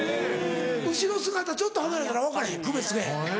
後ろ姿ちょっと離れたら分かれへん区別つけへん。